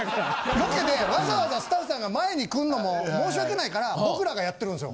ロケでわざわざスタッフさんが前に来るのも申し訳ないから僕らがやってるんすよ